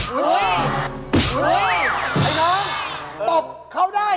ไอ้น้องตบเขาได้